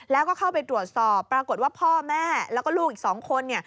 แล้วก็เข้าไปตรวจสอบปรากฏว่าพ่อแม่แล้วก็ลูกอีก๒คน